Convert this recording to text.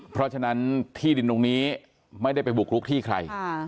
เพราะฉะนั้นที่ดินตรงนี้ไม่ได้ไปบุกรุกที่ใคร